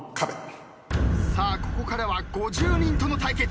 さあここからは５０人との対決。